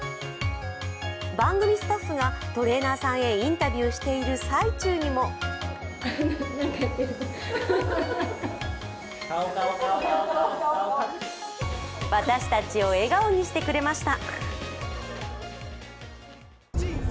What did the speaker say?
番組スタッフがトレーナーさんへインタビューしている最中にも私たちを笑顔にしてくれました。